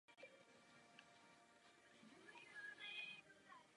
Příčiny onemocnění jsou různé.